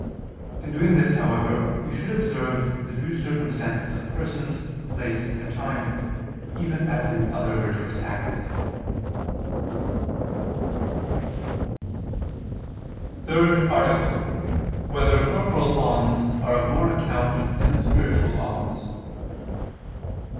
In doing this however we should observe the due circumstances of persons, place and time, even as in other virtuous acts. _______________________ THIRD ARTICLE [II II, Q. 32, Art. 3] Whether Corporal Alms Are of More Account Than Spiritual Alms?